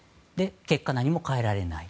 結果、何も変えられない。